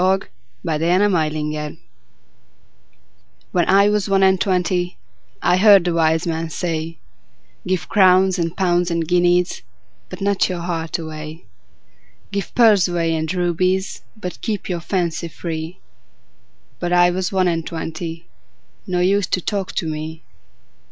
1896. XIII. When I was one and twenty WHEN I was one and twentyI heard a wise man say,'Give crowns and pounds and guineasBut not your heart away; Give pearls away and rubiesBut keep your fancy free.'But I was one and twenty, No use to talk to me.